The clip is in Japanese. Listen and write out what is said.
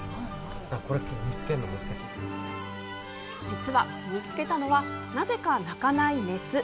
実は見つけたのはなぜか鳴かないメス。